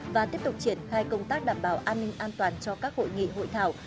và tiếp tục triển khai công tác đảm bảo an ninh an toàn cho các hội nghị hội thảo